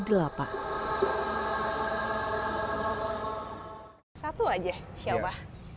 satu aja siapa